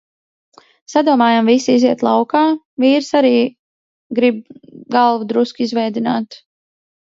Sadomājām visi iziet laukā, vīrs arī grib galvu drusku izvēdināt.